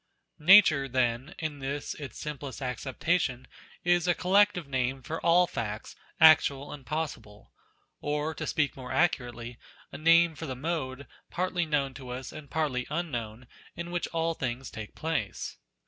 Nature, then, in this its simplest acceptation, is a collective name for all facts, actual and possible : or (to speak more accurately) a name for the mode, partly known to us and partly unknown, in which all things take place.